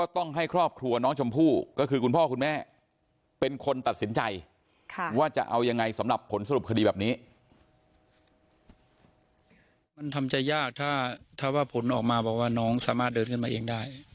ต้องตัดสินใจว่าจะเอายังไงสำหรับผลสรุปคดีแบบนี้